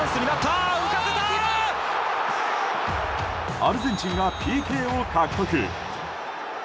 アルゼンチンがＰＫを獲得。